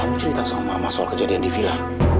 kamu cerita sama mama soal kejadian di villa